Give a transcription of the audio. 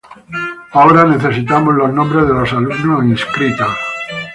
Ahora necesitamos los nombres de los alumnos inscritos.